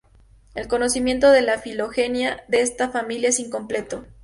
El conocimiento de la filogenia de esta familia es incompleto.